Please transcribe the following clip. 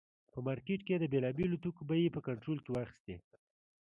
په مارکېټ کې یې د بېلابېلو توکو بیې په کنټرول کې واخیستې.